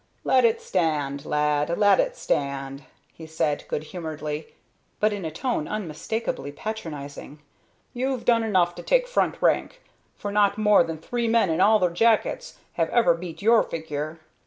"Lat it stand, lad! Lat it stand!" he said, good humoredly, but in a tone unmistakably patronizing. "You've done enough to take front rank, for not more than three men in all the Jackets have ever beat your figure.